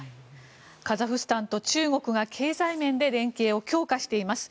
カザフスタンと中国が経済面で連携を強化しています。